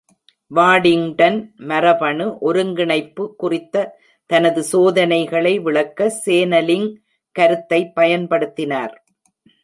Waddington மரபணு ஒருங்கிணைப்பு குறித்த தனது சோதனைகளை விளக்க சேனலிங் கருத்தை பயன்படுத்தினார்.